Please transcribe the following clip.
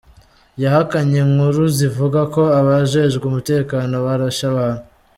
Yahakanye inkuru zivuga ko abajejwe umutekano barashe abantu.